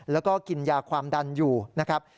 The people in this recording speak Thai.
แล้วก็กินยาความดันอยู่นะครับ